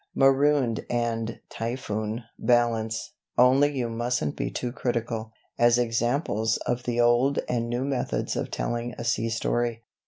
'Marooned' and 'Typhoon' balance (only you mustn't be too critical) as examples of the old and new methods of telling a sea story.